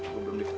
gua belum dipecah